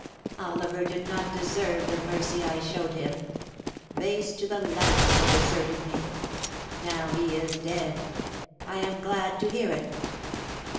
Oliver did not deserve the mercy I showed him. Base to the last he deserted me. Now he is dead. I am glad to hear it."